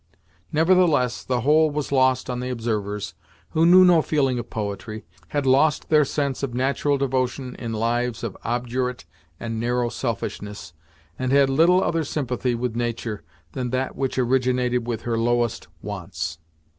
Nevertheless the whole was lost on the observers, who knew no feeling of poetry, had lost their sense of natural devotion in lives of obdurate and narrow selfishness, and had little other sympathy with nature, than that which originated with her lowest wants.